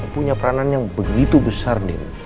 punya peranan yang begitu besar